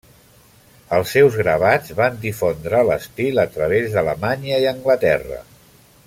Els seus gravats van difondre l'estil a través d'Alemanya i Anglaterra.